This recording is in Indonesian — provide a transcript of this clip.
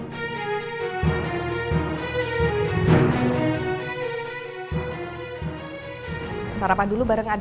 masa pagi pagi udah pergi lagi